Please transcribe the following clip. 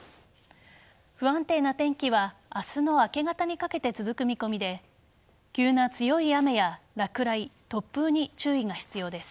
不安定な天気は明日の明け方にかけて続く見込みで急な強い雨や落雷突風に注意が必要です。